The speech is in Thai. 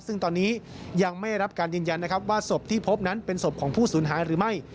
ซึ่งตอนนี้ยังไม่ได้รับการยืนยันนะครับว่าศพที่พบนั้นเป็นศพของผู้สูญหายหรือไม่